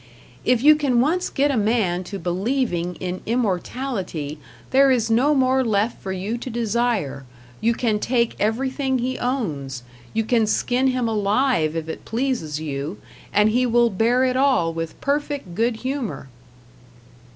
"If you can once get a man to believing in immortality, there is no more left for you to desire; you can take everything he owns you can skin him alive if it pleases you and he will bear it all with perfect good humor."